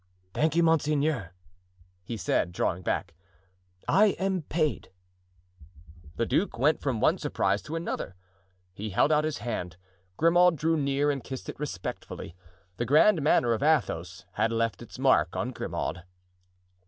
"Thank you, monseigneur," he said, drawing back; "I am paid." The duke went from one surprise to another. He held out his hand. Grimaud drew near and kissed it respectfully. The grand manner of Athos had left its mark on Grimaud.